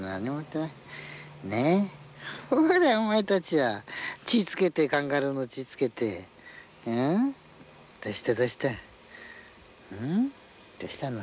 こら、お前たち血を付けてカンガルーの血をつけてどうした、どうしたどうしたの。